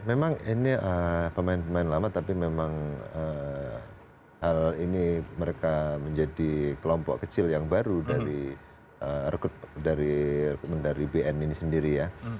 memang ini pemain pemain lama tapi memang hal ini mereka menjadi kelompok kecil yang baru dari rekrutmen dari bn ini sendiri ya